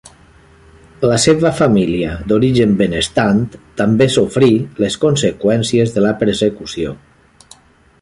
La seva família, d'origen benestant, també sofrí les conseqüències de la persecució.